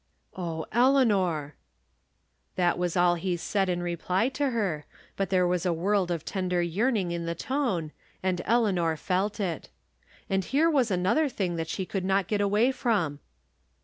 « Oh, Eleanor !" That was all he said in reply to her, but there was a world of tender yearning in the tone, and Eleanor felt it. And here was another thing that she could not get away from..